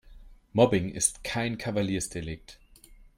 Mobbing ist kein Kavaliersdelikt.